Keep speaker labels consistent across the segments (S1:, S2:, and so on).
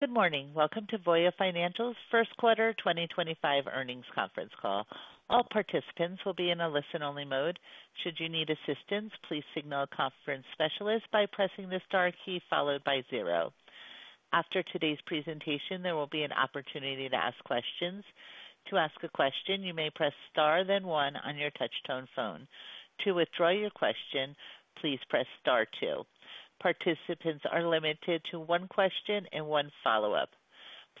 S1: Good morning. Welcome to Voya Financial's First Quarter 2025 Earnings Conference Call. All participants will be in a listen-only mode. Should you need assistance, please signal a conference specialist by pressing the star key followed by zero. After today's presentation, there will be an opportunity to ask questions. To ask a question, you may press star, then one on your touch-tone phone. To withdraw your question, please press star two. Participants are limited to one question and one follow-up.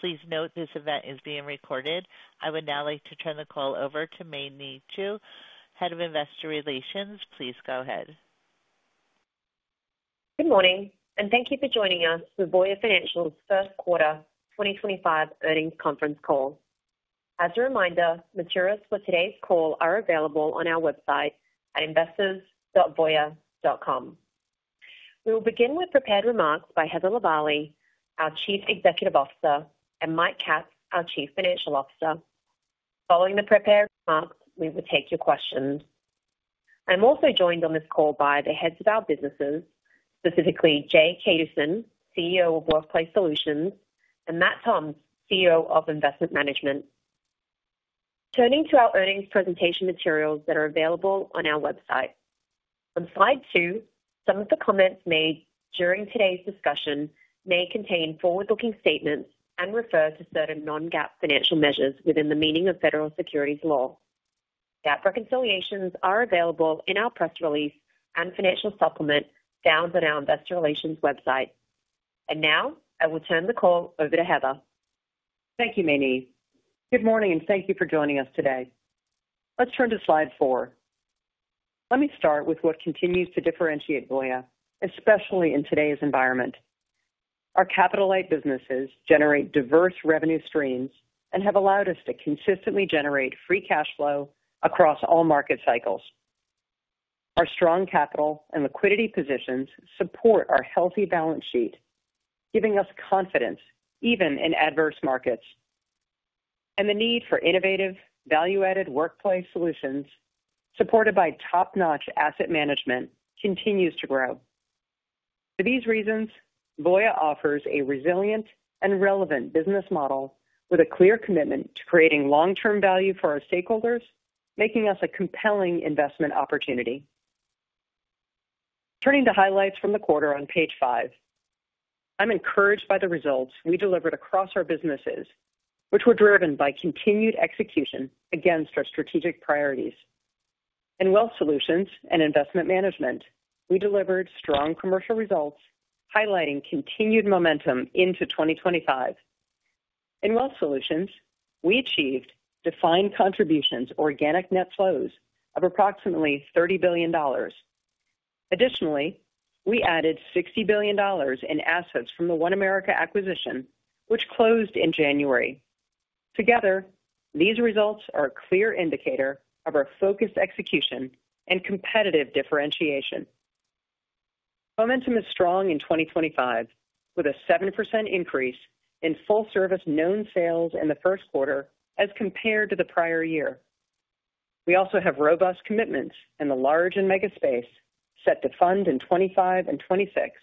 S1: Please note this event is being recorded. I would now like to turn the call over to Mei Ni Chu, Head of Investor Relations. Please go ahead.
S2: Good morning, and thank you for joining us for Voya Financial's first quarter 2025 earnings conference call. As a reminder, materials for today's call are available on our website at investors.voya.com. We will begin with prepared remarks by Heather Lavallee, our Chief Executive Officer, and Mike Katz, our Chief Financial Officer. Following the prepared remarks, we will take your questions. I'm also joined on this call by the heads of our businesses, specifically Jay Kaduson, CEO of Workplace Solutions, and Matt Toms, CEO of Investment Management. Turning to our earnings presentation materials that are available on our website. On slide two, some of the comments made during today's discussion may contain forward-looking statements and refer to certain non-GAAP financial measures within the meaning of federal securities law. GAAP reconciliations are available in our press release and financial supplement found on our Investor Relations website. I will turn the call over to Heather.
S3: Thank you, Mei Ni. Good morning, and thank you for joining us today. Let's turn to slide four. Let me start with what continues to differentiate Voya, especially in today's environment. Our capital-light businesses generate diverse revenue streams and have allowed us to consistently generate free cash flow across all market cycles. Our strong capital and liquidity positions support our healthy balance sheet, giving us confidence even in adverse markets. The need for innovative, value-added workplace solutions supported by top-notch asset management continues to grow. For these reasons, Voya offers a resilient and relevant business model with a clear commitment to creating long-term value for our stakeholders, making us a compelling investment opportunity. Turning to highlights from the quarter on page five, I'm encouraged by the results we delivered across our businesses, which were driven by continued execution against our strategic priorities. In Wealth Solutions and Investment Management, we delivered strong commercial results highlighting continued momentum into 2025. In Wealth Solutions, we achieved defined contribution, organic net flows of approximately $30 billion. Additionally, we added $60 billion in assets from the OneAmerica acquisition, which closed in January. Together, these results are a clear indicator of our focused execution and competitive differentiation. Momentum is strong in 2025, with a 7% increase in Full-service known sales in the first quarter as compared to the prior year. We also have robust commitments in the large and mega space set to fund in 2025 and 2026,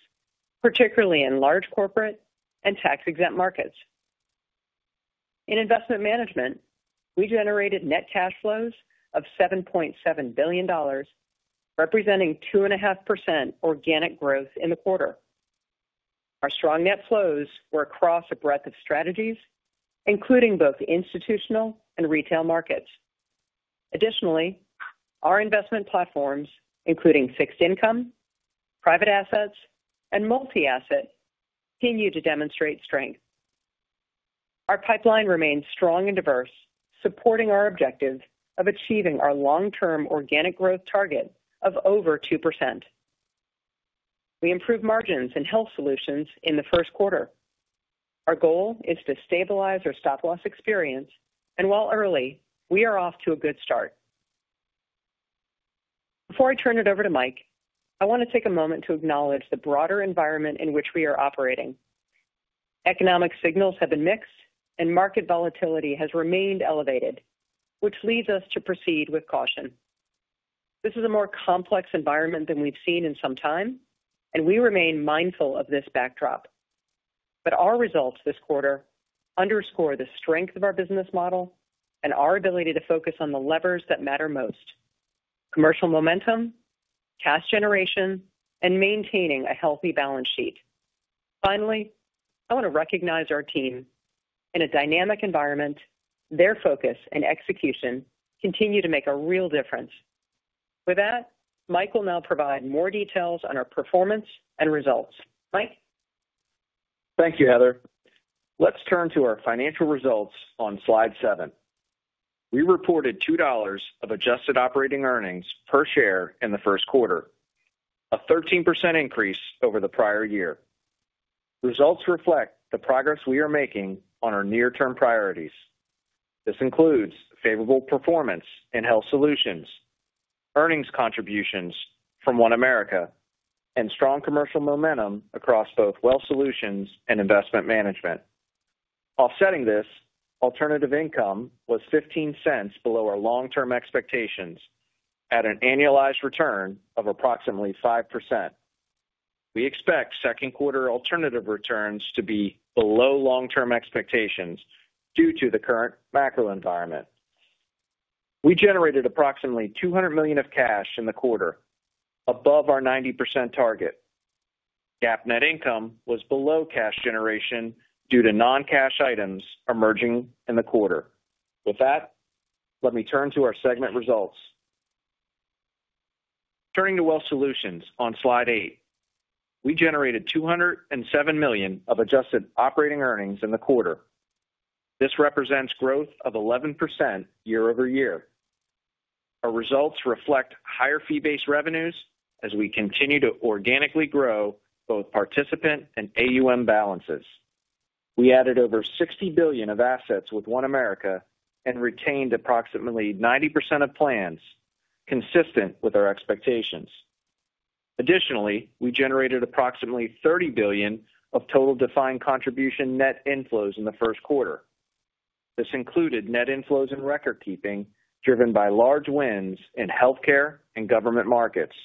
S3: particularly in large corporate and tax-exempt markets. In Investment Management, we generated net cash flows of $7.7 billion, representing 2.5% organic growth in the quarter. Our strong net flows were across a breadth of strategies, including both institutional and retail markets. Additionally, our investment platforms, including fixed income, private assets, and multi-asset, continue to demonstrate strength. Our pipeline remains strong and diverse, supporting our objective of achieving our long-term organic growth target of over 2%. We improved margins in Health Solutions in the first quarter. Our goal is to stabilize our Stop-Loss experience, and while early, we are off to a good start. Before I turn it over to Mike, I want to take a moment to acknowledge the broader environment in which we are operating. Economic signals have been mixed, and market volatility has remained elevated, which leads us to proceed with caution. This is a more complex environment than we've seen in some time, and we remain mindful of this backdrop. Our results this quarter underscore the strength of our business model and our ability to focus on the levers that matter most: commercial momentum, cash generation, and maintaining a healthy balance sheet. Finally, I want to recognize our team. In a dynamic environment, their focus and execution continue to make a real difference. With that, Mike will now provide more details on our performance and results. Mike.
S4: Thank you, Heather. Let's turn to our financial results on slide seven. We reported $2 of adjusted operating earnings per share in the first quarter, a 13% increase over the prior year. Results reflect the progress we are making on our near-term priorities. This includes favorable performance in Health Solutions, earnings contributions from OneAmerica, and strong commercial momentum across both Wealth Solutions and Investment Management. Offsetting this, alternative income was $0.15 below our long-term expectations at an annualized return of approximately 5%. We expect second quarter alternative returns to be below long-term expectations due to the current macro environment. We generated approximately $200 million of cash in the quarter, above our 90% target. GAAP net income was below cash generation due to non-cash items emerging in the quarter. With that, let me turn to our segment results. Turning to Wealth Solutions on slide eight, we generated $207 million of adjusted operating earnings in the quarter. This represents growth of 11% year over year. Our results reflect higher fee-based revenues as we continue to organically grow both participant and AUM balances. We added over $60 billion of assets with OneAmerica and retained approximately 90% of plans, consistent with our expectations. Additionally, we generated approximately $30 billion of total Defined Contribution net inflows in the first quarter. This included net inflows in Recordkeeping driven by large wins in healthcare and government markets.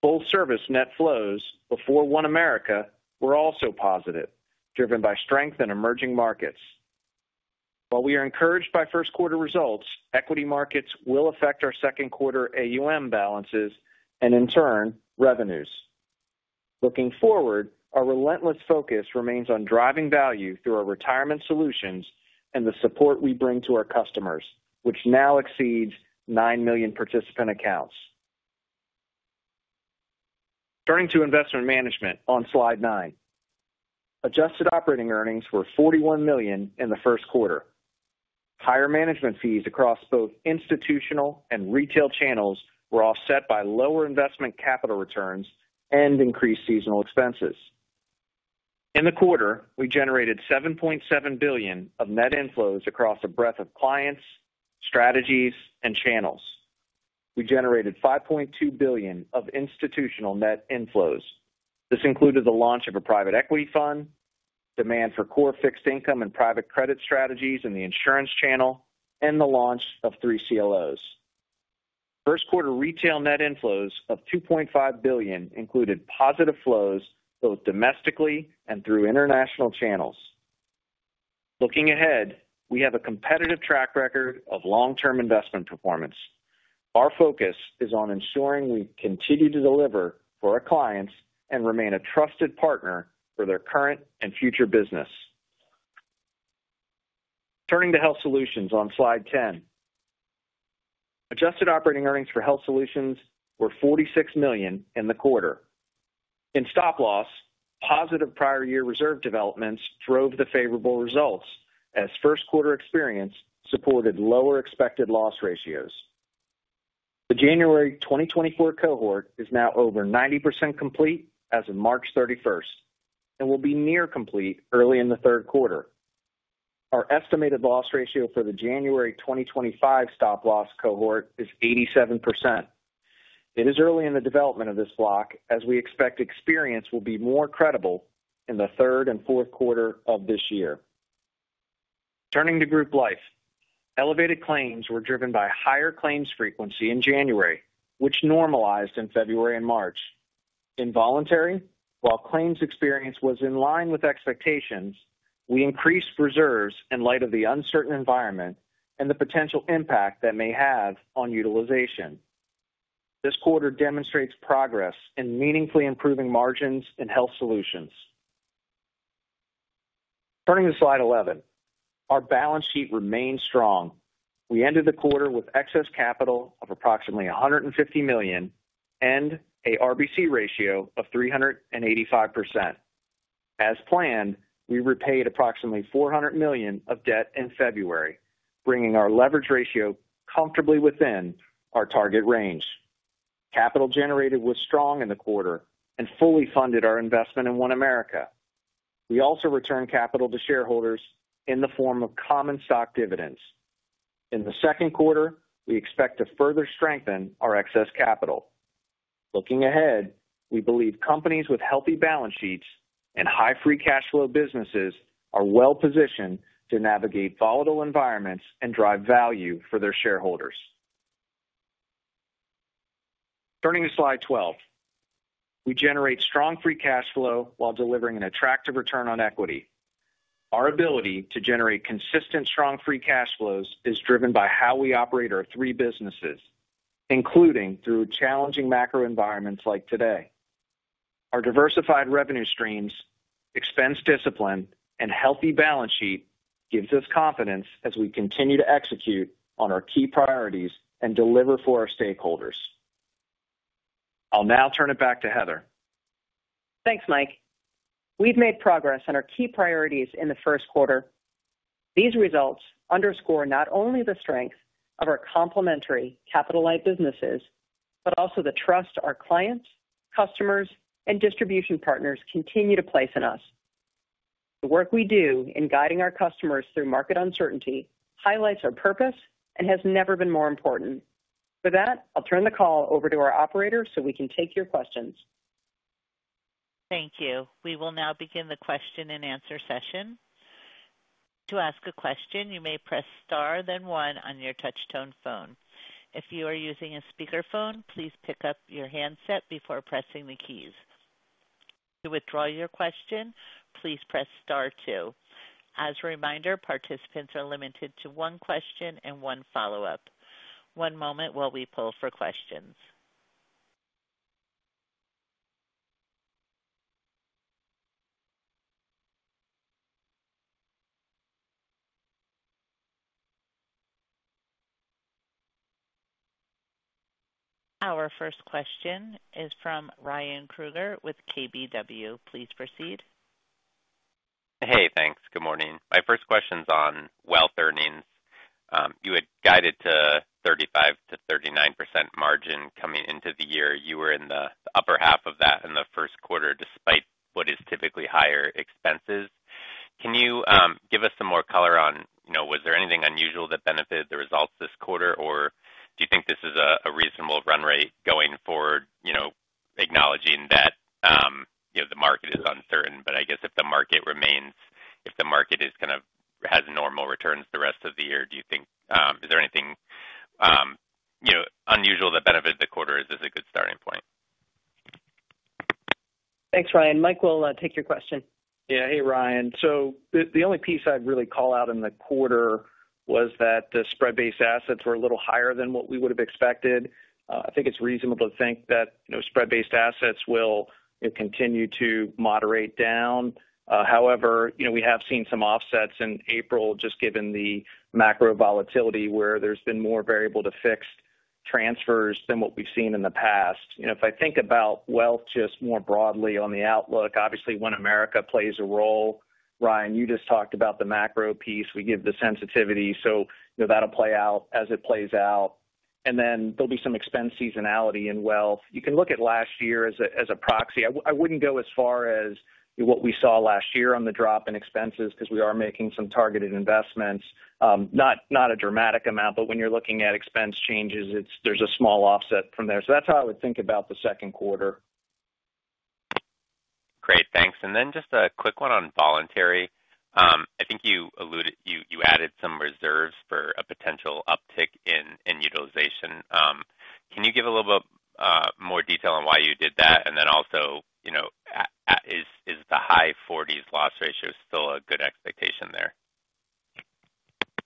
S4: Full-service net flows before OneAmerica were also positive, driven by strength in emerging markets. While we are encouraged by first quarter results, equity markets will affect our second quarter AUM balances and, in turn, revenues. Looking forward, our relentless focus remains on driving value through our retirement solutions and the support we bring to our customers, which now exceeds 9 million participant accounts. Turning to investment management on slide nine, adjusted operating earnings were $41 million in the first quarter. Higher management fees across both institutional and retail channels were offset by lower investment capital returns and increased seasonal expenses. In the quarter, we generated $7.7 billion of net inflows across a breadth of clients, strategies, and channels. We generated $5.2 billion of institutional net inflows. This included the launch of a private equity fund, demand for core fixed income and private credit strategies in the insurance channel, and the launch of three CLOs. First quarter retail net inflows of $2.5 billion included positive flows both domestically and through international channels. Looking ahead, we have a competitive track record of long-term investment performance. Our focus is on ensuring we continue to deliver for our clients and remain a trusted partner for their current and future business. Turning to Health Solutions on slide ten, adjusted operating earnings for Health Solutions were $46 million in the quarter. In Stop-Loss, positive prior year reserve developments drove the favorable results as first quarter experience supported lower expected loss ratios. The January 2024 cohort is now over 90% complete as of March 31 and will be near complete early in the third quarter. Our estimated loss ratio for the January 2025 Stop-Loss cohort is 87%. It is early in the development of this block as we expect experience will be more credible in the third and fourth quarter of this year. Turning to Group Life, elevated claims were driven by higher claims frequency in January, which normalized in February and March. Voluntary, while claims experience was in line with expectations, we increased reserves in light of the uncertain environment and the potential impact that may have on utilization. This quarter demonstrates progress in meaningfully improving margins in Health Solutions. Turning to slide 11, our balance sheet remains strong. We ended the quarter with excess capital of approximately $150 million and a RBC ratio of 385%. As planned, we repaid approximately $400 million of debt in February, bringing our leverage ratio comfortably within our target range. Capital generated was strong in the quarter and fully funded our investment in OneAmerica. We also returned capital to shareholders in the form of common stock dividends. In the second quarter, we expect to further strengthen our excess capital. Looking ahead, we believe companies with healthy balance sheets and high free cash flow businesses are well-positioned to navigate volatile environments and drive value for their shareholders. Turning to slide 12, we generate strong free cash flow while delivering an attractive return on equity. Our ability to generate consistent strong free cash flows is driven by how we operate our three businesses, including through challenging macro environments like today. Our diversified revenue streams, expense discipline, and healthy balance sheet give us confidence as we continue to execute on our key priorities and deliver for our stakeholders. I'll now turn it back to Heather.
S3: Thanks, Mike. We've made progress on our key priorities in the first quarter. These results underscore not only the strength of our complementary capitalized businesses, but also the trust our clients, customers, and distribution partners continue to place in us. The work we do in guiding our customers through market uncertainty highlights our purpose and has never been more important. With that, I'll turn the call over to our operators so we can take your questions.
S1: Thank you. We will now begin the question and answer session. To ask a question, you may press star, then one on your touch-tone phone. If you are using a speakerphone, please pick up your handset before pressing the keys. To withdraw your question, please press star two. As a reminder, participants are limited to one question and one follow-up. One moment while we pull for questions. Our first question is from Ryan Krueger with KBW. Please proceed.
S5: Hey, thanks. Good morning. My first question's on wealth earnings. You had guided to 35%-39% margin coming into the year. You were in the upper half of that in the first quarter despite what is typically higher expenses. Can you give us some more color on, was there anything unusual that benefited the results this quarter, or do you think this is a reasonable run rate going forward, acknowledging that the market is uncertain, but I guess if the market remains, if the market kind of has normal returns the rest of the year, do you think, is there anything unusual that benefited the quarter as a good starting point?
S3: Thanks, Ryan. Mike will take your question.
S4: Yeah, hey, Ryan. The only piece I'd really call out in the quarter was that the spread-based assets were a little higher than what we would have expected. I think it's reasonable to think that spread-based assets will continue to moderate down. However, we have seen some offsets in April just given the macro volatility where there's been more variable to fixed transfers than what we've seen in the past. If I think about wealth just more broadly on the outlook, obviously OneAmerica plays a role. Ryan, you just talked about the macro piece. We give the sensitivity, so that'll play out as it plays out. There'll be some expense seasonality in wealth. You can look at last year as a proxy. I wouldn't go as far as what we saw last year on the drop in expenses because we are making some targeted investments. Not a dramatic amount, but when you're looking at expense changes, there's a small offset from there. That's how I would think about the second quarter.
S5: Great, thanks. Just a quick one on voluntary. I think you alluded, you added some reserves for a potential uptick in utilization. Can you give a little bit more detail on why you did that? Also, is the high 40s loss ratio still a good expectation there?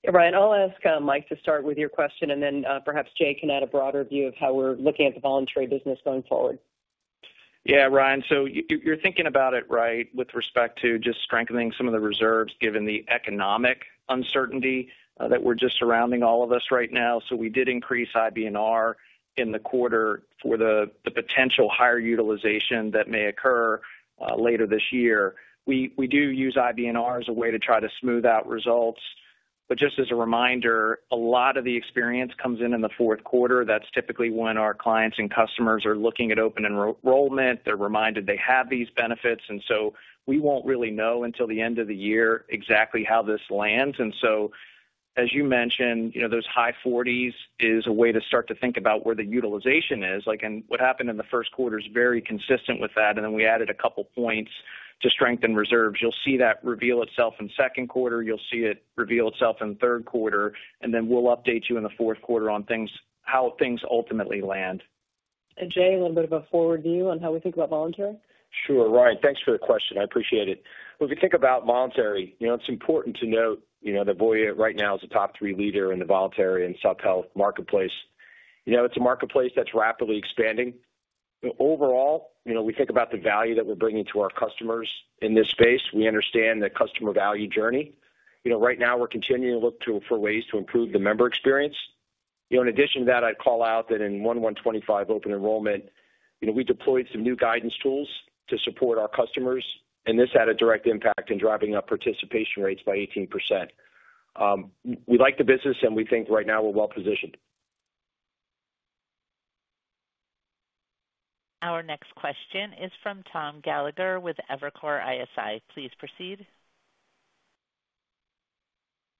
S3: Yeah, Ryan, I'll ask Mike to start with your question, and then perhaps Jay can add a broader view of how we're looking at the voluntary business going forward.
S6: Yeah, Ryan, so you're thinking about it right with respect to just strengthening some of the reserves given the economic uncertainty that is just surrounding all of us right now. We did increase IBNR in the quarter for the potential higher utilization that may occur later this year. We do use IBNR as a way to try to smooth out results. Just as a reminder, a lot of the experience comes in in the fourth quarter. That is typically when our clients and customers are looking at open enrollment. They are reminded they have these benefits. We will not really know until the end of the year exactly how this lands. As you mentioned, those high 40s is a way to start to think about where the utilization is. What happened in the first quarter is very consistent with that. We added a couple of points to strengthen reserves. You will see that reveal itself in second quarter. You will see it reveal itself in third quarter. We will update you in the fourth quarter on how things ultimately land.
S3: Jay, a little bit of a forward view on how we think about voluntary?
S6: Sure, Ryan. Thanks for the question. I appreciate it. When we think about voluntary, it's important to note that Voya right now is a top three leader in the voluntary and sub-health marketplace. It's a marketplace that's rapidly expanding. Overall, we think about the value that we're bringing to our customers in this space. We understand the customer value journey. Right now, we're continuing to look for ways to improve the member experience. In addition to that, I'd call out that in 1/1/2025 open enrollment, we deployed some new guidance tools to support our customers. This had a direct impact in driving up participation rates by 18%. We like the business, and we think right now we're well positioned.
S1: Our next question is from Tom Gallagher with Evercore ISI. Please proceed.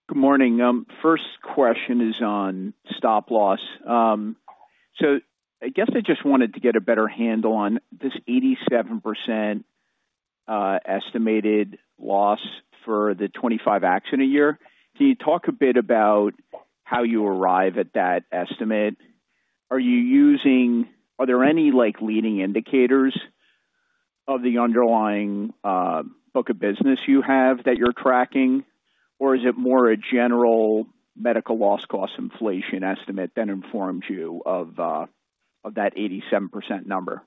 S7: Good morning. First question is on stop-loss. I just wanted to get a better handle on this 87% estimated loss for the 2025 action year. Can you talk a bit about how you arrive at that estimate? Are there any leading indicators of the underlying book of business you have that you're tracking, or is it more a general medical loss cost inflation estimate that informs you of that 87% number?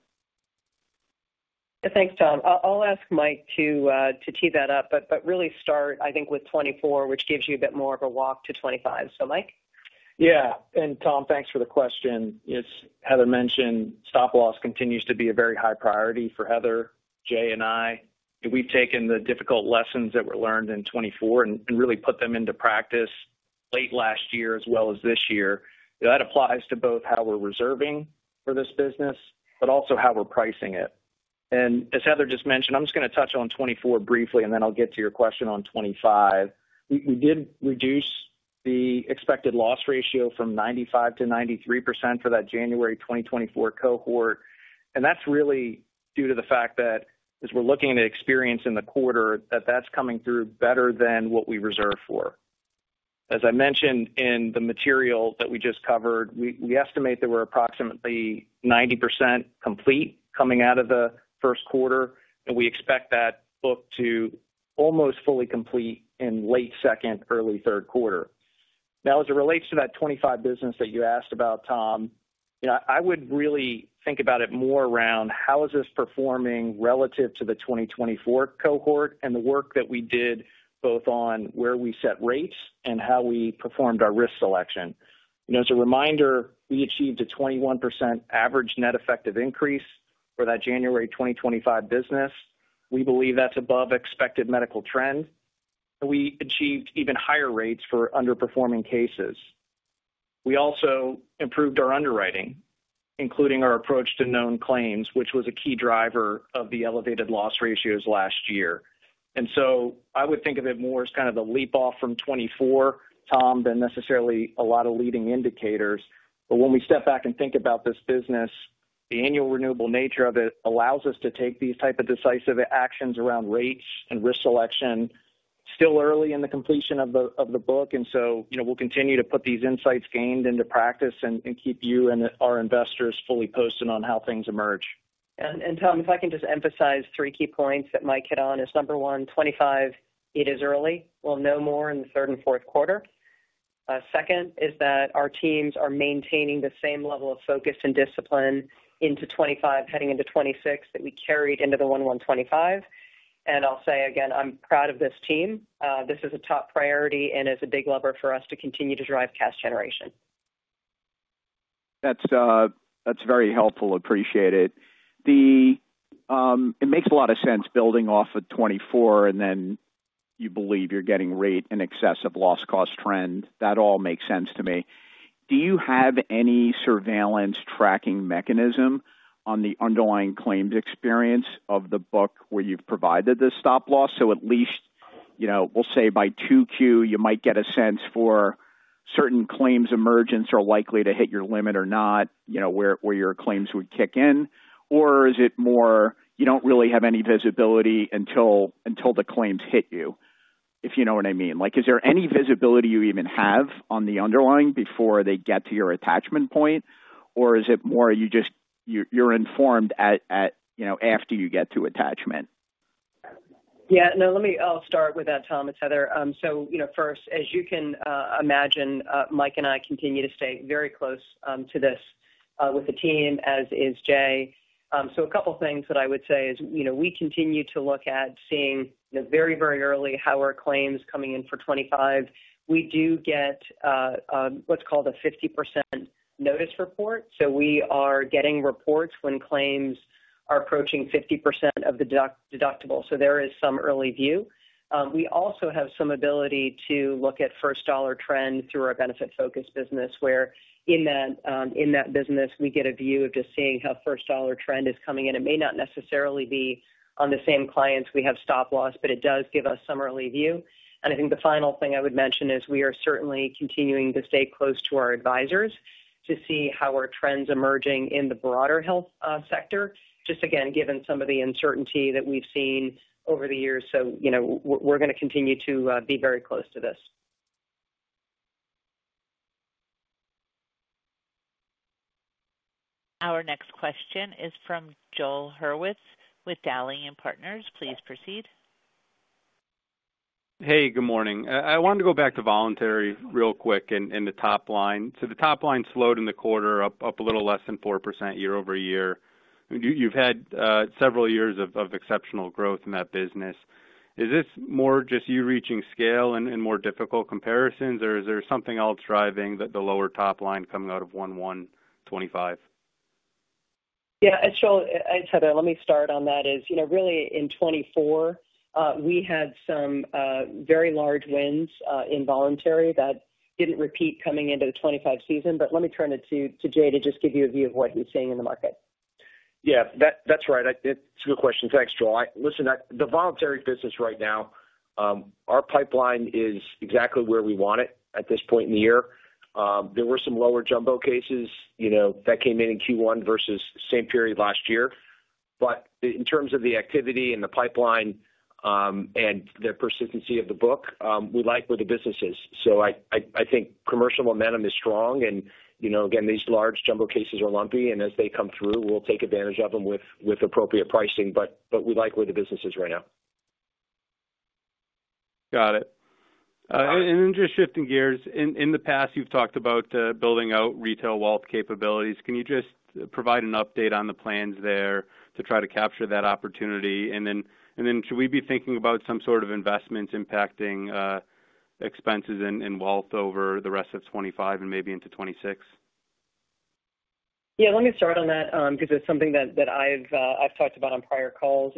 S3: Thanks, Tom. I'll ask Mike to tee that up, but really start, I think, with 2024, which gives you a bit more of a walk to 2025. So, Mike?
S4: Yeah. Tom, thanks for the question. As Heather mentioned, stop-loss continues to be a very high priority for Heather, Jay, and I. We have taken the difficult lessons that were learned in 2024 and really put them into practice late last year as well as this year. That applies to both how we are reserving for this business, but also how we are pricing it. As Heather just mentioned, I am just going to touch on 2024 briefly, and then I will get to your question on 2025. We did reduce the expected loss ratio from 95% to 93% for that January 2024 cohort. That is really due to the fact that, as we are looking at experience in the quarter, that is coming through better than what we reserve for. As I mentioned in the material that we just covered, we estimate that we are approximately 90% complete coming out of the first quarter. We expect that book to almost fully complete in late second, early third quarter. As it relates to that 2025 business that you asked about, Tom, I would really think about it more around how is this performing relative to the 2024 cohort and the work that we did both on where we set rates and how we performed our risk selection. As a reminder, we achieved a 21% average net effective increase for that January 2025 business. We believe that's above expected medical trend. We achieved even higher rates for underperforming cases. We also improved our underwriting, including our approach to known claims, which was a key driver of the elevated loss ratios last year. I would think of it more as kind of the leap off from 2024, Tom, than necessarily a lot of leading indicators. When we step back and think about this business, the annual renewable nature of it allows us to take these types of decisive actions around rates and risk selection. Still early in the completion of the book. We will continue to put these insights gained into practice and keep you and our investors fully posted on how things emerge.
S3: Tom, if I can just emphasize three key points that Mike hit on is, number one, 2025, it is early. We'll know more in the third and fourth quarter. Second is that our teams are maintaining the same level of focus and discipline into 2025, heading into 2026, that we carried into the 1/1/2025. I'll say again, I'm proud of this team. This is a top priority and is a big lever for us to continue to drive cash generation.
S7: That's very helpful. Appreciate it. It makes a lot of sense building off of 2024, and then you believe you're getting rate and excessive loss cost trend. That all makes sense to me. Do you have any surveillance tracking mechanism on the underlying claims experience of the book where you've provided this stop-loss? At least, we'll say by 2Q, you might get a sense for certain claims emergence are likely to hit your limit or not, where your claims would kick in. Or is it more you don't really have any visibility until the claims hit you, if you know what I mean? Is there any visibility you even have on the underlying before they get to your attachment point? Or is it more you're informed after you get to attachment?
S3: Yeah. No, let me, I'll start with that, Tom, with Heather. First, as you can imagine, Mike and I continue to stay very close to this with the team, as is Jay. A couple of things that I would say is we continue to look at seeing very, very early how our claims are coming in for 2025. We do get what's called a 50% notice report. We are getting reports when claims are approaching 50% of the deductible, so there is some early view. We also have some ability to look at first dollar trend through our benefit-focused business, where in that business, we get a view of just seeing how first dollar trend is coming in. It may not necessarily be on the same clients we have stop-loss, but it does give us some early view. I think the final thing I would mention is we are certainly continuing to stay close to our advisors to see how our trends are emerging in the broader health sector, just again, given some of the uncertainty that we've seen over the years. We are going to continue to be very close to this.
S1: Our next question is from Joel Hurwitz with Dowling and Partners. Please proceed.
S8: Hey, good morning. I wanted to go back to voluntary real quick and the top line. The top line slowed in the quarter, up a little less than 4% year over year. You've had several years of exceptional growth in that business. Is this more just you reaching scale and more difficult comparisons, or is there something else driving the lower top line coming out of 1/1/2025?
S3: Yeah. So Heather, let me start on that. Really in 2024, we had some very large wins in voluntary that did not repeat coming into the 2025 season. Let me turn it to Jay to just give you a view of what he is seeing in the market.
S6: Yeah, that's right. That's a good question. Thanks, Joel. Listen, the voluntary business right now, our pipeline is exactly where we want it at this point in the year. There were some lower jumbo cases that came in in Q1 versus same period last year. In terms of the activity and the pipeline and the persistency of the book, we like where the business is. I think commercial momentum is strong. These large jumbo cases are lumpy, and as they come through, we'll take advantage of them with appropriate pricing. We like where the business is right now.
S8: Got it. Just shifting gears, in the past, you've talked about building out retail wealth capabilities. Can you just provide an update on the plans there to try to capture that opportunity? Should we be thinking about some sort of investments impacting expenses and wealth over the rest of 2025 and maybe into 2026?
S3: Yeah, let me start on that because it's something that I've talked about on prior calls.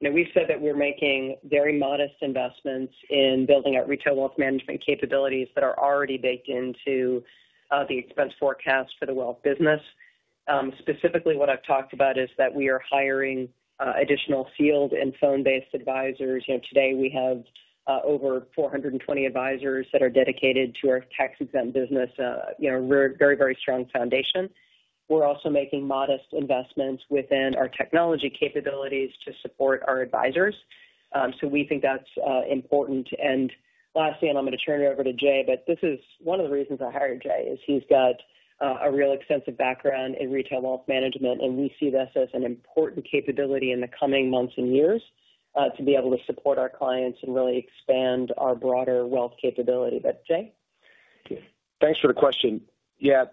S3: We've said that we're making very modest investments in building out retail wealth management capabilities that are already baked into the expense forecast for the wealth business. Specifically, what I've talked about is that we are hiring additional field and phone-based advisors. Today, we have over 420 advisors that are dedicated to our tax-exempt business, a very, very strong foundation. We're also making modest investments within our technology capabilities to support our advisors. We think that's important. Lastly, and I'm going to turn it over to Jay, this is one of the reasons I hired Jay. He's got a real extensive background in retail wealth management, and we see this as an important capability in the coming months and years to be able to support our clients and really expand our broader wealth capability. But Jay?
S6: Thanks for the question. Yeah,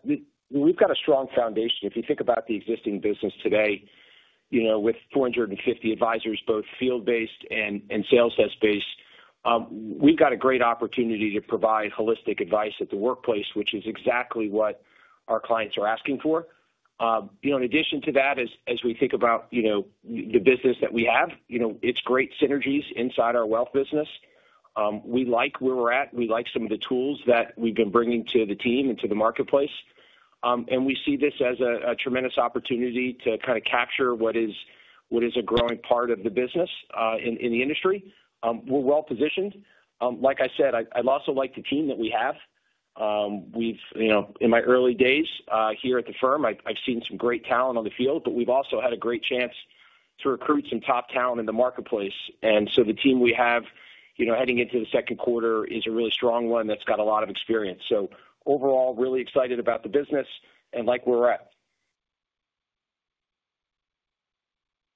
S6: we've got a strong foundation. If you think about the existing business today with 450 advisors, both field-based and sales-based, we've got a great opportunity to provide holistic advice at the workplace, which is exactly what our clients are asking for. In addition to that, as we think about the business that we have, it's great synergies inside our wealth business. We like where we're at. We like some of the tools that we've been bringing to the team and to the marketplace. We see this as a tremendous opportunity to kind of capture what is a growing part of the business in the industry. We're well positioned. Like I said, I'd also like the team that we have. In my early days here at the firm, I've seen some great talent on the field, but we've also had a great chance to recruit some top talent in the marketplace. The team we have heading into the second quarter is a really strong one that's got a lot of experience. Overall, really excited about the business and like where we're at.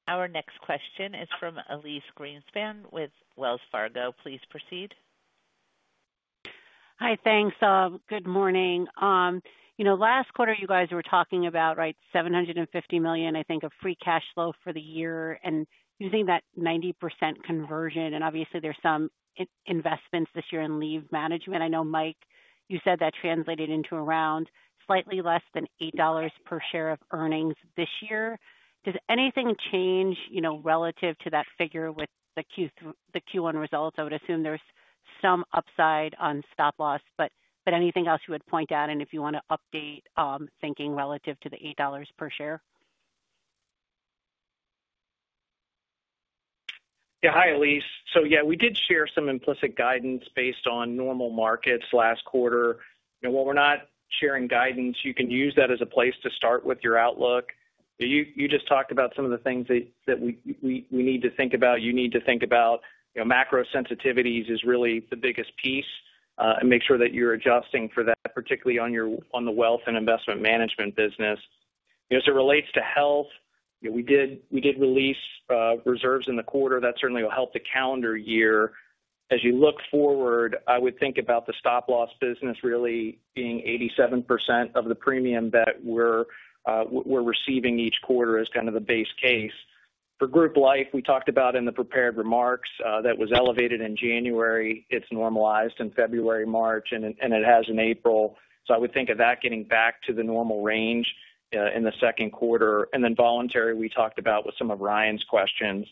S1: Our next question is from Elyse Greenspan with Wells Fargo. Please proceed.
S9: Hi, thanks. Good morning. Last quarter, you guys were talking about, right, $750 million, I think, of free cash flow for the year and using that 90% conversion. Obviously, there's some investments this year in leave management. I know, Mike, you said that translated into around slightly less than $8 per share of earnings this year. Does anything change relative to that figure with the Q1 results? I would assume there's some upside on stop-loss, but anything else you would point out and if you want to update thinking relative to the $8 per share?
S4: Yeah, hi, Elyse. So yeah, we did share some implicit guidance based on normal markets last quarter. While we're not sharing guidance, you can use that as a place to start with your outlook. You just talked about some of the things that we need to think about. You need to think about macro sensitivities is really the biggest piece and make sure that you're adjusting for that, particularly on the wealth and investment management business. As it relates to health, we did release reserves in the quarter. That certainly will help the calendar year. As you look forward, I would think about the stop-loss business really being 87% of the premium that we're receiving each quarter as kind of the base case. For group life, we talked about in the prepared remarks that was elevated in January. It's normalized in February, March, and it has in April. I would think of that getting back to the normal range in the second quarter. Voluntary, we talked about with some of Ryan's questions.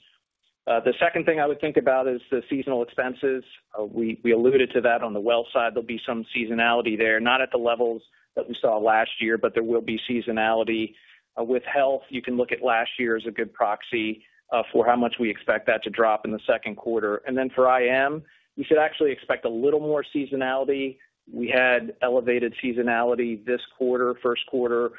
S4: The second thing I would think about is the seasonal expenses. We alluded to that on the wealth side. There will be some seasonality there, not at the levels that we saw last year, but there will be seasonality. With health, you can look at last year as a good proxy for how much we expect that to drop in the second quarter. For IM, we should actually expect a little more seasonality. We had elevated seasonality this quarter, first quarter,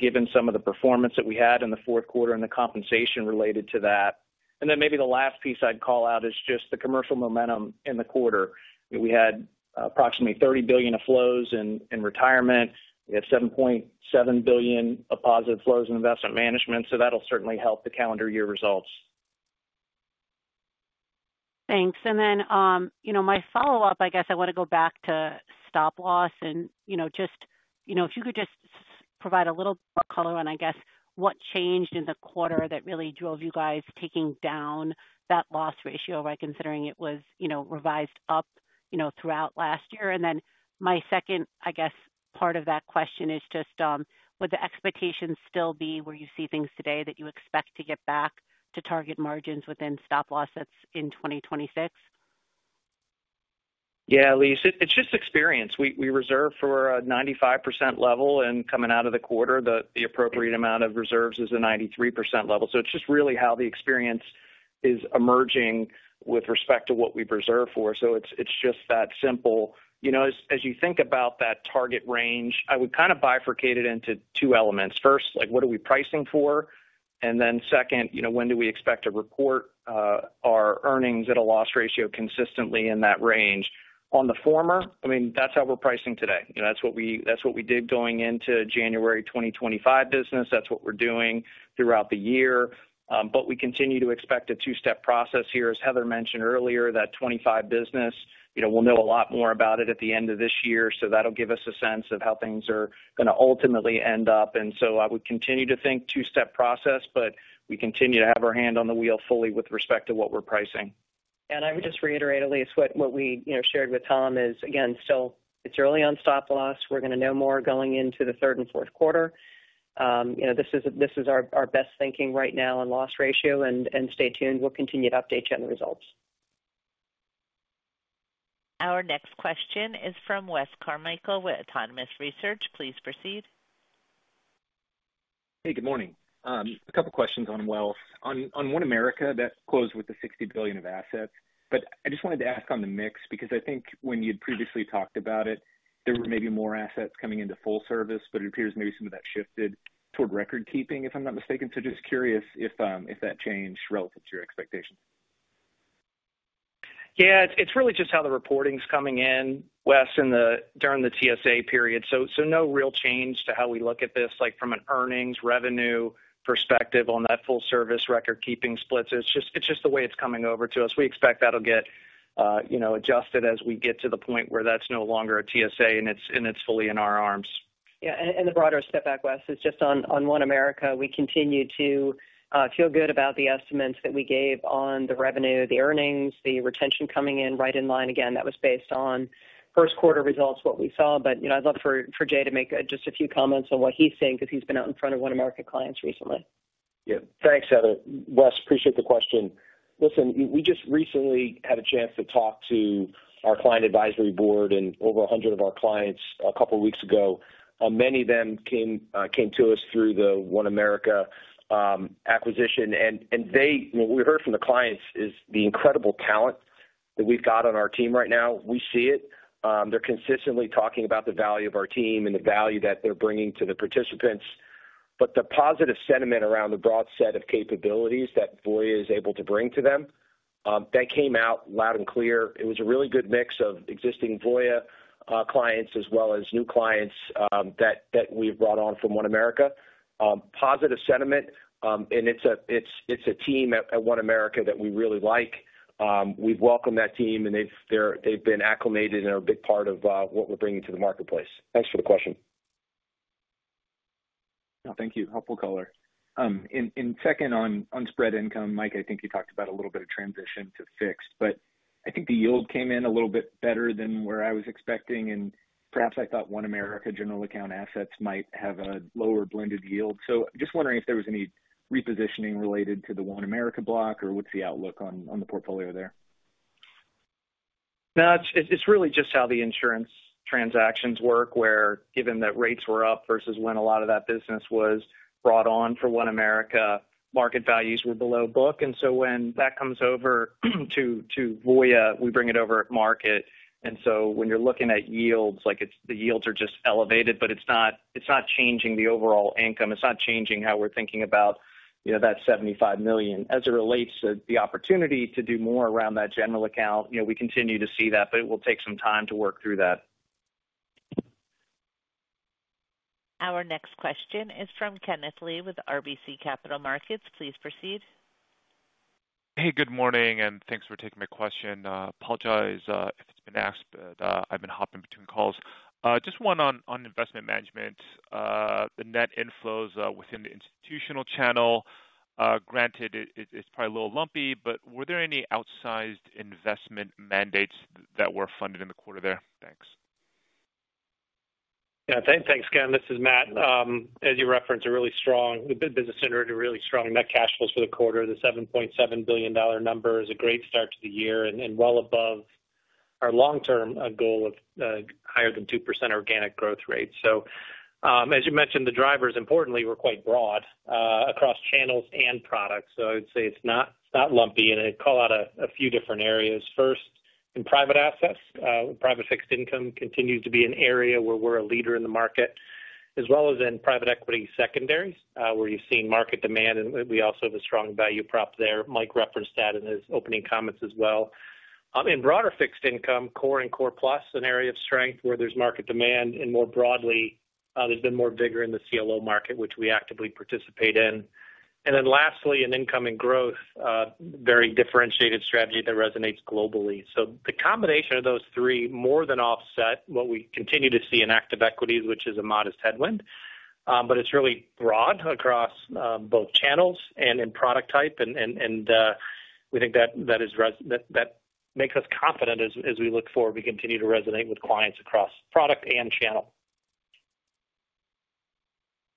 S4: given some of the performance that we had in the fourth quarter and the compensation related to that. Maybe the last piece I would call out is just the commercial momentum in the quarter. We had approximately $30 billion of flows in Retirement. We had $7.7 billion of positive flows in Investment Management. That'll certainly help the calendar year results.
S9: Thanks. My follow-up, I guess I want to go back to stop-loss and just if you could just provide a little more color on, I guess, what changed in the quarter that really drove you guys taking down that loss ratio by considering it was revised up throughout last year. My second, I guess, part of that question is just, would the expectation still be where you see things today that you expect to get back to target margins within stop-loss that's in 2026?
S4: Yeah, Elise, it's just experience. We reserve for a 95% level, and coming out of the quarter, the appropriate amount of reserves is a 93% level. It is just really how the experience is emerging with respect to what we've reserved for. It is just that simple. As you think about that target range, I would kind of bifurcate it into two elements. First, what are we pricing for? Then, when do we expect to report our earnings at a loss ratio consistently in that range? On the former, I mean, that's how we're pricing today. That's what we did going into January 2025 business. That's what we're doing throughout the year. We continue to expect a two-step process here. As Heather mentioned earlier, that 2025 business, we'll know a lot more about it at the end of this year. That'll give us a sense of how things are going to ultimately end up. I would continue to think two-step process, but we continue to have our hand on the wheel fully with respect to what we're pricing.
S3: I would just reiterate, Elise, what we shared with Tom is, again, still it's early on stop-loss. We're going to know more going into the third and fourth quarter. This is our best thinking right now on loss ratio. Stay tuned. We'll continue to update you on the results.
S1: Our next question is from Wes Carmichael with Autonomous Research. Please proceed.
S10: Hey, good morning. A couple of questions on wealth. On OneAmerica, that closed with the $60 billion of assets. But I just wanted to ask on the mix because I think when you'd previously talked about it, there were maybe more assets coming into Full-service, but it appears maybe some of that shifted toward Recordkeeping, if I'm not mistaken. So just curious if that changed relative to your expectations.
S4: Yeah, it's really just how the reporting's coming in, Wes, during the TSA period. So no real change to how we look at this from an earnings revenue perspective on that Full-service Recordkeeping split. It's just the way it's coming over to us. We expect that'll get adjusted as we get to the point where that's no longer a TSA and it's fully in our arms.
S3: Yeah. The broader step back, Wes, is just on OneAmerica, we continue to feel good about the estimates that we gave on the revenue, the earnings, the retention coming in right in line. Again, that was based on first quarter results, what we saw. I'd love for Jay to make just a few comments on what he's seeing because he's been out in front of OneAmerica clients recently.
S6: Yeah. Thanks, Heather. Wes, appreciate the question. Listen, we just recently had a chance to talk to our client advisory board and over 100 of our clients a couple of weeks ago. Many of them came to us through the OneAmerica acquisition. What we heard from the clients is the incredible talent that we've got on our team right now. We see it. They're consistently talking about the value of our team and the value that they're bringing to the participants. The positive sentiment around the broad set of capabilities that Voya is able to bring to them, that came out loud and clear. It was a really good mix of existing Voya clients as well as new clients that we've brought on from OneAmerica. Positive sentiment. It's a team at OneAmerica that we really like. We've welcomed that team, and they've been acclimated and are a big part of what we're bringing to the marketplace. Thanks for the question.
S10: Thank you. Helpful color. Second, on spread income, Mike, I think you talked about a little bit of transition to fixed. I think the yield came in a little bit better than where I was expecting. Perhaps I thought OneAmerica general account assets might have a lower blended yield. Just wondering if there was any repositioning related to the OneAmerica block or what is the outlook on the portfolio there?
S4: It's really just how the insurance transactions work, where given that rates were up versus when a lot of that business was brought on for OneAmerica, market values were below book. When that comes over to Voya, we bring it over at market. When you're looking at yields, the yields are just elevated, but it's not changing the overall income. It's not changing how we're thinking about that $75 million. As it relates to the opportunity to do more around that general account, we continue to see that, but it will take some time to work through that.
S1: Our next question is from Kenneth Lee with RBC Capital Markets. Please proceed.
S11: Hey, good morning, and thanks for taking my question. Apologize if it's been asked, but I've been hopping between calls. Just one on investment management, the net inflows within the institutional channel. Granted, it's probably a little lumpy, but were there any outsized investment mandates that were funded in the quarter there? Thanks.
S4: Yeah, thanks, Ken. This is Matt. As you referenced, a really strong, the business generated a really strong net cash flows for the quarter. The $7.7 billion number is a great start to the year and well above our long-term goal of higher than 2% organic growth rate. As you mentioned, the drivers, importantly, were quite broad across channels and products. I would say it's not lumpy, and I'd call out a few different areas. First, in private assets, private fixed income continues to be an area where we're a leader in the market, as well as in private equity secondaries, where you've seen market demand, and we also have a strong value prop there. Mike referenced that in his opening comments as well. In broader fixed income, core and core plus is an area of strength where there's market demand, and more broadly, there's been more vigor in the CLO market, which we actively participate in. Lastly, in income and growth, very differentiated strategy that resonates globally. The combination of those three more than offset what we continue to see in active equities, which is a modest headwind, but it's really broad across both channels and in product type. We think that makes us confident as we look forward. We continue to resonate with clients across product and channel.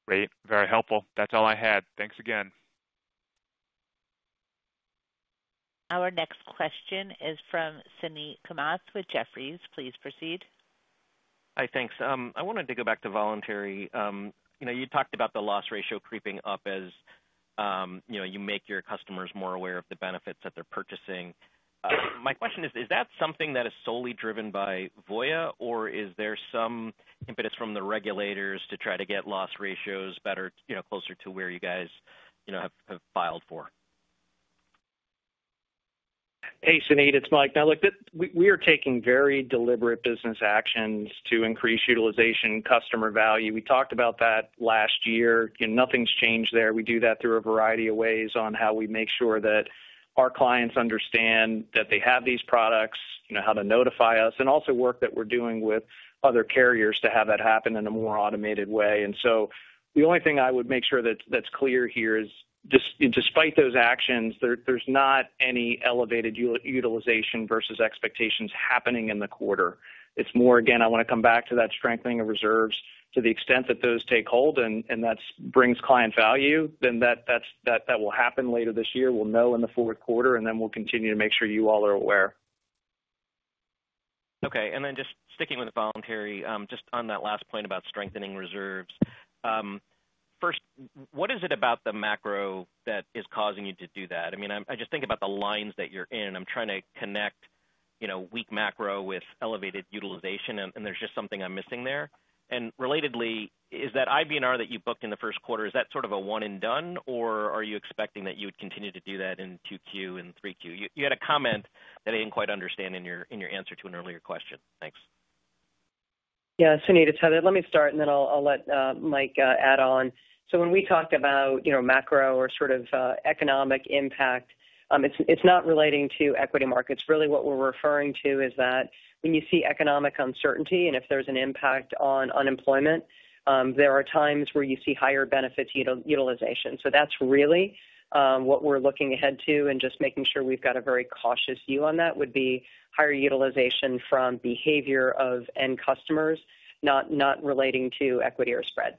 S11: Great. Very helpful. That's all I had. Thanks again.
S1: Our next question is from Suneet Kamath with Jefferies. Please proceed.
S12: Hi, thanks. I wanted to go back to voluntary. You talked about the loss ratio creeping up as you make your customers more aware of the benefits that they're purchasing. My question is, is that something that is solely driven by Voya, or is there some impetus from the regulators to try to get loss ratios better, closer to where you guys have filed for?
S4: Hey, Suneet, it's Mike. Now, look, we are taking very deliberate business actions to increase utilization, customer value. We talked about that last year. Nothing's changed there. We do that through a variety of ways on how we make sure that our clients understand that they have these products, how to notify us, and also work that we're doing with other carriers to have that happen in a more automated way. The only thing I would make sure that's clear here is, despite those actions, there's not any elevated utilization versus expectations happening in the quarter. It's more, again, I want to come back to that strengthening of reserves to the extent that those take hold and that brings client value, then that will happen later this year. We'll know in the fourth quarter, and then we'll continue to make sure you all are aware.
S12: Okay. And then just sticking with the voluntary, just on that last point about strengthening reserves. First, what is it about the macro that is causing you to do that? I mean, I just think about the lines that you're in, and I'm trying to connect weak macro with elevated utilization, and there's just something I'm missing there. Relatedly, is that IBNR that you booked in the first quarter, is that sort of a one and done, or are you expecting that you would continue to do that in Q2 and 3Q? You had a comment that I didn't quite understand in your answer to an earlier question. Thanks.
S3: Yeah, Suneet, to tell it. Let me start, and then I'll let Mike add on. When we talk about macro or sort of economic impact, it's not relating to equity markets. Really, what we're referring to is that when you see economic uncertainty and if there's an impact on unemployment, there are times where you see higher benefit utilization. That's really what we're looking ahead to, and just making sure we've got a very cautious view on that would be higher utilization from behavior of end customers, not relating to equity or spread.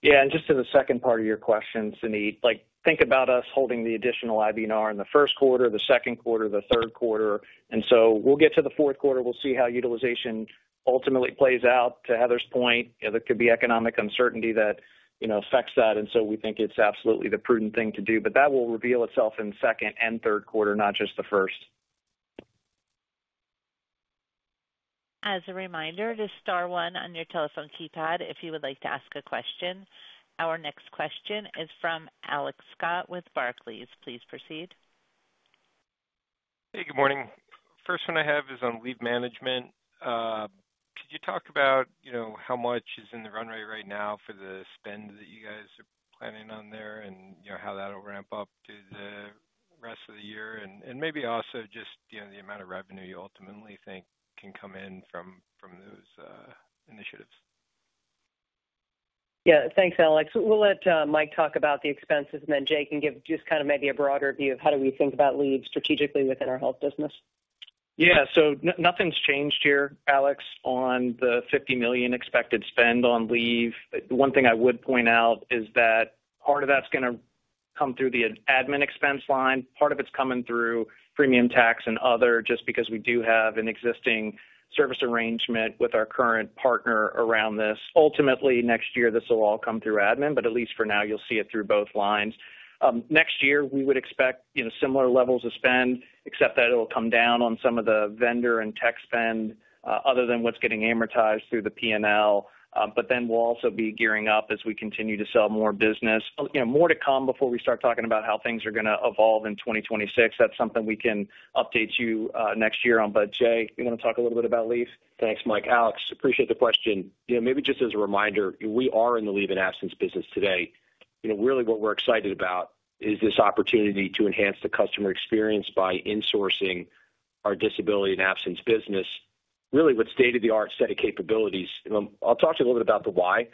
S4: Yeah. In just the second part of your question, Suneet, think about us holding the additional IBNR in the first quarter, the second quarter, the third quarter. We will get to the fourth quarter. We will see how utilization ultimately plays out. To Heather's point, there could be economic uncertainty that affects that. We think it is absolutely the prudent thing to do. That will reveal itself in second and third quarter, not just the first.
S1: As a reminder, to star one on your telephone keypad, if you would like to ask a question. Our next question is from Alex Scott with Barclays. Please proceed.
S13: Hey, good morning. First one I have is on lead management. Could you talk about how much is in the runway right now for the spend that you guys are planning on there and how that will ramp up through the rest of the year? Maybe also just the amount of revenue you ultimately think can come in from those initiatives.
S3: Yeah. Thanks, Alex. We'll let Mike talk about the expenses, and then Jay can give just kind of maybe a broader view of how do we think about leave strategically within our health business.
S4: Yeah. Nothing's changed here, Alex, on the $50 million expected spend on leave. One thing I would point out is that part of that's going to come through the admin expense line. Part of it's coming through premium tax and other just because we do have an existing service arrangement with our current partner around this. Ultimately, next year, this will all come through admin, but at least for now, you'll see it through both lines. Next year, we would expect similar levels of spend, except that it'll come down on some of the vendor and tech spend other than what's getting amortized through the P&L. We'll also be gearing up as we continue to sell more business. More to come before we start talking about how things are going to evolve in 2026. That's something we can update you next year on. Jay, you want to talk a little bit about leave?
S6: Thanks, Mike. Alex, appreciate the question. Maybe just as a reminder, we are in the leave and absence business today. Really, what we're excited about is this opportunity to enhance the customer experience by insourcing our disability and absence business. Really, with state-of-the-art set of capabilities. I'll talk to you a little bit about the why.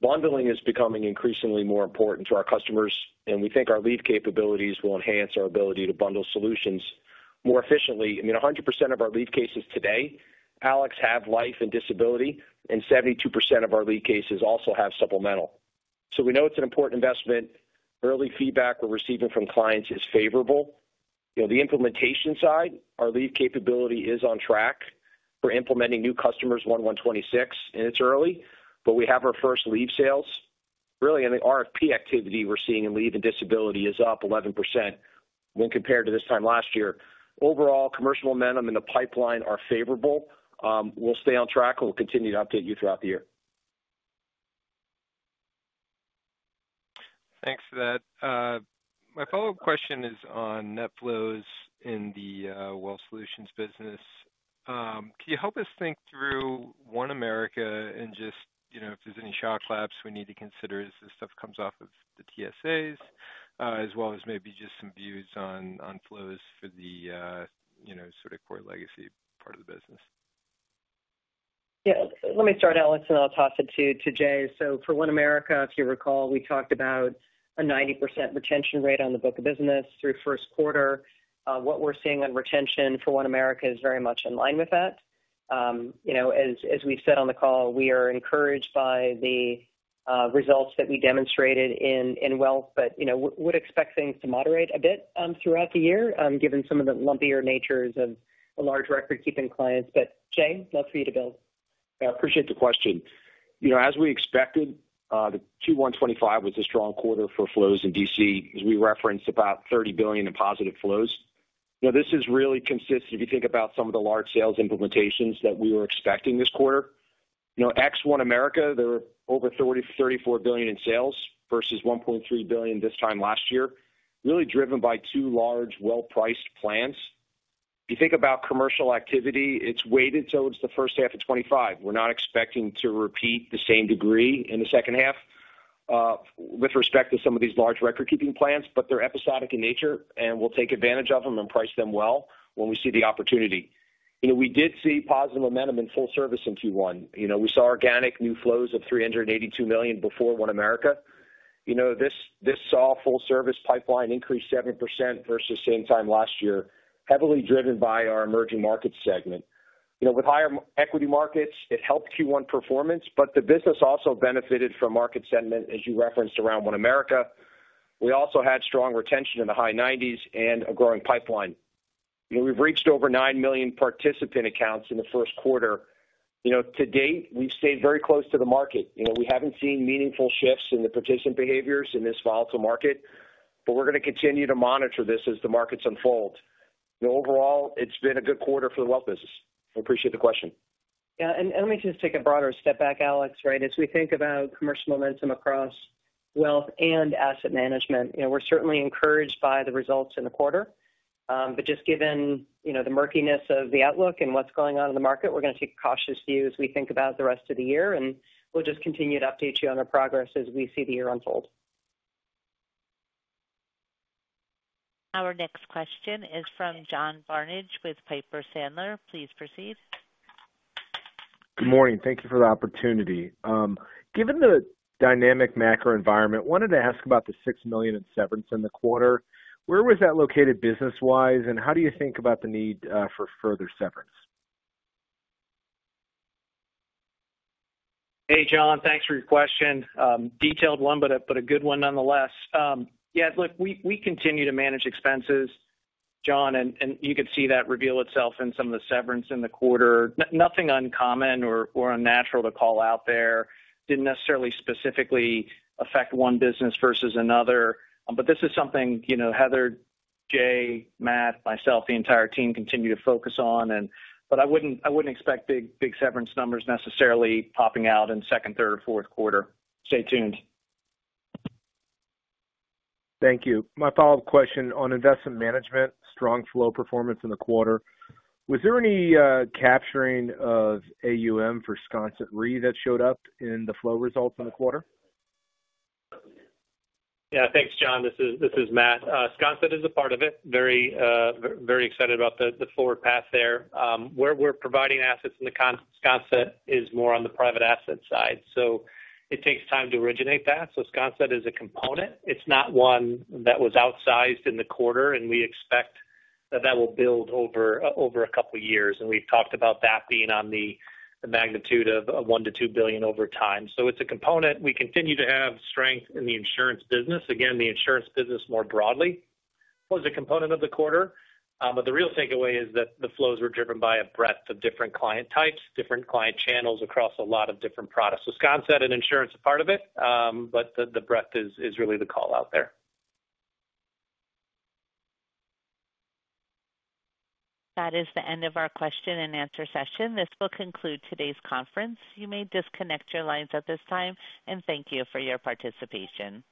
S6: Bundling is becoming increasingly more important to our customers, and we think our leave capabilities will enhance our ability to bundle solutions more efficiently. I mean, 100% of our leave cases today, Alex, have life and disability, and 72% of our leave cases also have supplemental. So we know it's an important investment. Early feedback we're receiving from clients is favorable. The implementation side, our leave capability is on track for implementing new customers 1/1/2026, and it's early, but we have our first leave sales. Really, I think RFP activity we're seeing in leave and disability is up 11% when compared to this time last year. Overall, commercial momentum in the pipeline are favorable. We'll stay on track, and we'll continue to update you throughout the year.
S14: Thanks for that. My follow-up question is on net flows in the Wealth Solutions business. Can you help us think through OneAmerica and just if there's any shock lapses we need to consider as this stuff comes off of the TSAs, as well as maybe just some views on flows for the sort of core legacy part of the business?
S4: Yeah. Let me start, Alex, and I'll toss it to Jay. For OneAmerica, if you recall, we talked about a 90% retention rate on the book of business through first quarter. What we're seeing on retention for OneAmerica is very much in line with that. As we said on the call, we are encouraged by the results that we demonstrated in wealth, but would expect things to moderate a bit throughout the year given some of the lumpier natures of the large record-keeping clients. Jay, love for you to build.
S6: I appreciate the question. As we expected, the Q1 2025 was a strong quarter for flows in DC, as we referenced about $30 billion in positive flows. This has really consisted, if you think about some of the large sales implementations that we were expecting this quarter. OneAmerica, there were over $34 billion in sales versus $1.3 billion this time last year, really driven by two large well-priced plans. If you think about commercial activity, it's weighted towards the first half of 2025. We're not expecting to repeat the same degree in the second half with respect to some of these large record-keeping plans, but they're episodic in nature, and we'll take advantage of them and price them well when we see the opportunity. We did see positive momentum in full service in Q1. We saw organic new flows of $382 million before OneAmerica. This saw Full-service pipeline increase 7% versus same time last year, heavily driven by our emerging markets segment. With higher equity markets, it helped Q1 performance, but the business also benefited from market sentiment, as you referenced around OneAmerica. We also had strong retention in the high 90s and a growing pipeline. We have reached over 9 million participant accounts in the first quarter. To date, we have stayed very close to the market. We have not seen meaningful shifts in the participant behaviors in this volatile market, but we are going to continue to monitor this as the markets unfold. Overall, it has been a good quarter for the wealth business. I appreciate the question. Yeah. Let me just take a broader step back, Alex, right? As we think about commercial momentum across wealth and asset management, we're certainly encouraged by the results in the quarter. Just given the murkiness of the outlook and what's going on in the market, we're going to take a cautious view as we think about the rest of the year, and we'll just continue to update you on our progress as we see the year unfold.
S1: Our next question is from John Barnidge with Piper Sandler. Please proceed.
S15: Good morning. Thank you for the opportunity. Given the dynamic macro environment, I wanted to ask about the $6 million in severance in the quarter. Where was that located business-wise, and how do you think about the need for further severance?
S4: Hey, John, thanks for your question. Detailed one, but a good one nonetheless. Yeah. Look, we continue to manage expenses, John, and you could see that reveal itself in some of the severance in the quarter. Nothing uncommon or unnatural to call out there. Did not necessarily specifically affect one business versus another, but this is something Heather, Jay, Matt, myself, the entire team continue to focus on. I would not expect big severance numbers necessarily popping out in second, third, or fourth quarter. Stay tuned.
S15: Thank you. My follow-up question on investment management, strong flow performance in the quarter. Was there any capturing of AUM for Sconset Re that showed up in the flow results in the quarter?
S4: Yeah. Thanks, John. This is Matt. Sconset is a part of it. Very excited about the forward path there. We're providing assets in the Sconset is more on the private asset side. It takes time to originate that. Sconset is a component. It's not one that was outsized in the quarter, and we expect that that will build over a couple of years. We've talked about that being on the magnitude of $1 billion to $2 billion over time. It's a component. We continue to have strength in the insurance business. Again, the insurance business more broadly was a component of the quarter. The real takeaway is that the flows were driven by a breadth of different client types, different client channels across a lot of different products. Sconset and insurance are part of it, but the breadth is really the call out there.
S1: That is the end of our question and answer session. This will conclude today's conference. You may disconnect your lines at this time, and thank you for your participation.